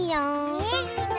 えいいの？